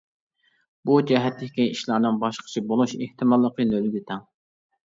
بۇ جەھەتتىكى ئىشلارنىڭ باشقىچە بولۇش ئېھتىماللىقى نۆلگە تەڭ.